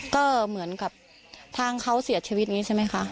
ก็เหมือนกับทางเขาเสียชีวิตนี้ใช่มั้ยคะ